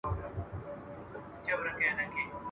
او لا یې هم، په رسنیو کي ..